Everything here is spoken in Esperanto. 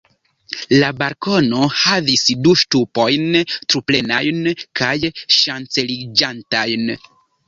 La balkono havis du ŝtupojn, truplenajn kaj ŝanceliĝantajn.